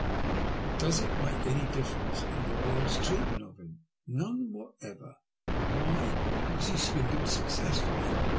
But does it make ENGLAND ONCE MOBE. 61 any difference in the world's treatment of him? None whatever. And why ? Because he swindled success fully.